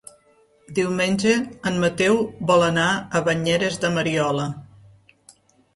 Diumenge en Mateu vol anar a Banyeres de Mariola.